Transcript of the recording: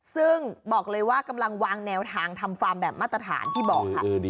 ซึ่งบอกเลยว่ากำลังวางแนวทางทำฟาร์มแบบมาตรฐานที่บอกค่ะ